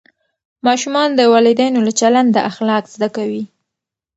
ماشومان د والدینو له چلنده اخلاق زده کوي.